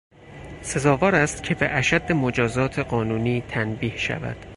سزاوار است که به اشد مجازات قانونی تنبیه شود.